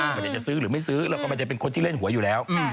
ไม่ได้จะซื้อหรือไม่ซื้อแล้วก็ไม่ได้เป็นคนที่เล่นหวยอยู่แล้ว